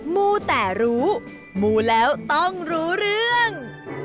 มูแต่รู้มูแล้วต้องรู้เรื่อง